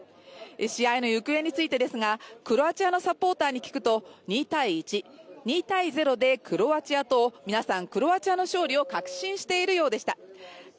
試合の行方についてですが、クロアチアのサポーターに聞くと、２−１、２−０でクロアチアと皆さん、クロアチアの勝利を確信しているようでした。